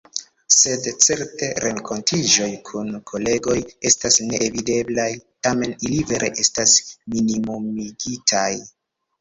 Sed certe renkontiĝoj kun kolegoj estas neeviteblaj, tamen ili vere estas minimumigitaj.